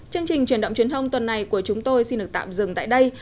chương trình truyền động truyền thông tuần này của chúng tôi xin được tạm dừng tại đây